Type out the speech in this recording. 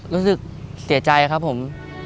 รู้สึกเสียใจครับผม